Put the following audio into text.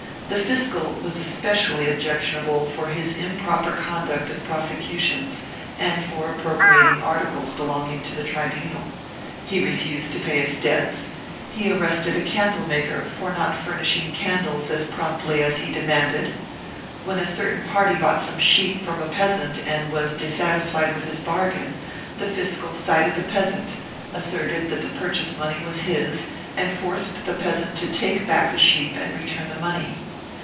The fiscal was especially objectionable for his improper conduct of prose cutions and for appropriating articles belonging to the tribunal; he refused to pay his debts; he arrested a candle maker for not furnishing candles as promptly as he demanded; when a certain party bought some sheep from a peasant and was dissatisfied with his bargain, the fiscal cited the peasant, asserted that the purchase money was his and forced the peasant to take back the sheep and return the money.